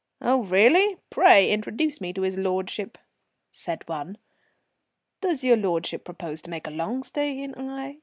"Oh! really, pray introduce me to his lordship," said one. "Does your lordship propose to make a long stay in Aix?